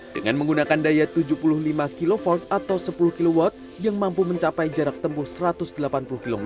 dengan menggunakan daya tujuh puluh lima kv atau sepuluh kw yang mampu mencapai jarak tempuh satu ratus delapan puluh km